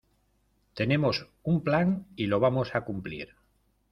tenemos un plan y lo vamos a cumplir.